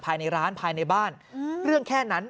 ภายในร้านภายในบ้านเรื่องแค่นั้น